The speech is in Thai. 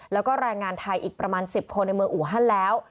แล้วก็แรงงานไทยอีกประมาณ๑๐คนในเมืองอูฮันแล้ว